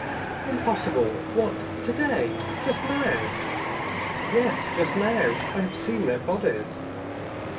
"Impossible! What, to day? just now?" "Yes, just now. I have seen their bodies."